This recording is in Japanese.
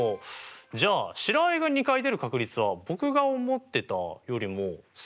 じゃあ白あえが２回出る確率は僕が思ってたよりも３倍も高かったんですね。